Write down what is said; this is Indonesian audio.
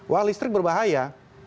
wah listrik berbahaya